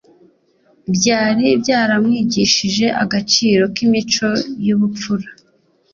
byari byaramwigishije agaciro k’imico y’ubupfura